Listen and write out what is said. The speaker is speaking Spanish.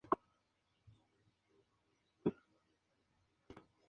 Hierba anual, bienal o perenne.